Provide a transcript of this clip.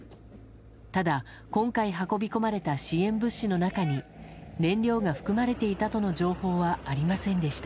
ただ、今回運び込まれた支援物資の中に燃料が含まれていたとの情報はありませんでした。